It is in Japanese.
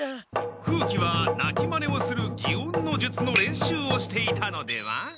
風鬼は鳴きまねをする擬音の術の練習をしていたのでは？